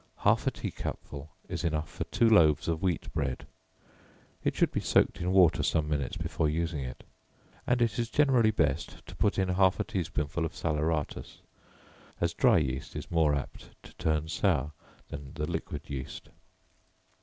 Half a tea cupful is enough for two loaves of wheat bread, (it should be soaked in water some minutes before using it,) and it is generally best to put in half a tea spoonful of salaeratus, as dry yeast is more apt to turn sour than the liquid yeast.